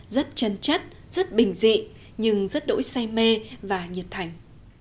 rất chân chất rất bình dị nhưng rất đỗi say mê và nhiệt thành